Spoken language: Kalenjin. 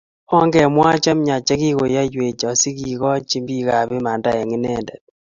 Ongemwaa che miach che kikoyoiwech asikokochi biik imanda eng Inendet